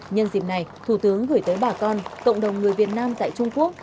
nhân dịp này thủ tướng gửi tới bà con cộng đồng người việt nam tại trung quốc